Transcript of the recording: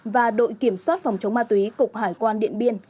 và đội kiểm soát phòng chống ma túy cục hải quan điện biên